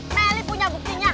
melly punya buktinya